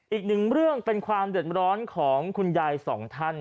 อีกหนึ่งเรื่องเป็นความเดือดร้อนของคุณยายสองท่าน